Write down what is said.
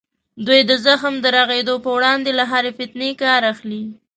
دوی د زخم د رغېدو په وړاندې له هرې فتنې کار اخلي.